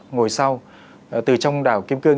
ngồi sau từ trong đảo kim cương